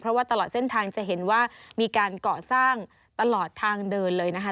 เพราะว่าตลอดเส้นทางจะเห็นว่ามีการก่อสร้างตลอดทางเดินเลยนะคะ